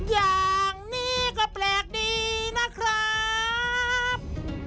อย่างนี้ก็แปลกดีนะครับ